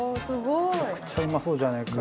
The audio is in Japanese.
「めちゃくちゃうまそうじゃねえかよ」